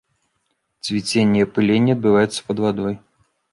Цвіценне і апыленне адбываюцца пад вадой.